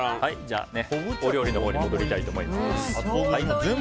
お料理に戻りたいと思います。